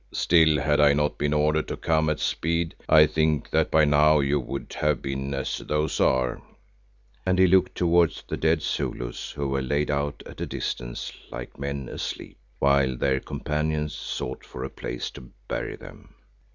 Still, had I not been ordered to come at speed, I think that by now you would have been as those are," and he looked towards the dead Zulus who were laid out at a distance like men asleep, while their companions sought for a place to bury them.